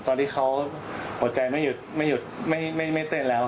ตอนที่เขาหัวใจไม่ติดแล้ว